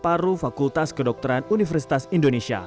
paru fakultas kedokteran universitas indonesia